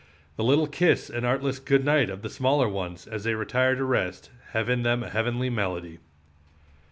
The little kiss and artless good night of the smaller ones, as they retire to rest, have in them a heavenly melody.